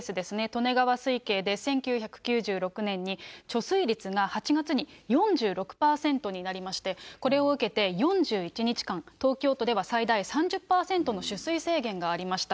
利根川水系で１９９６年に、貯水率が８月に４６％になりまして、これを受けて、４１日間、東京都では最大３０％の取水制限がありました。